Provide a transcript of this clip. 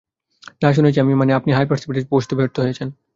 না, আমি শুনেছি-- মানে-- - আপনি হাইপার-স্পীডে পৌঁছতে ব্যর্থ হয়েছেন।